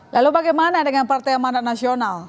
lalu bagaimana dengan partai amanat nasional